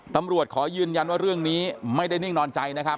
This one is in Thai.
ตำรวจขอยืนยันว่าเรื่องนี้ไม่ได้นิ่งนอนใจ